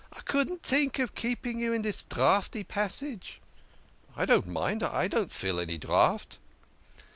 " I couldn't tink of keeping you in dis draughty passage." " I don't mind. I don't feel any draught."